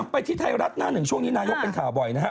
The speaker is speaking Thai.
ไปที่ไทยรัฐหน้าหนึ่งช่วงนี้นายกเป็นข่าวบ่อยนะฮะ